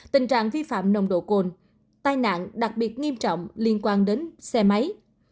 tình trạng vi phạm nồng độ cồn tai nạn đặc biệt nghiêm trọng liên quan đến xe máy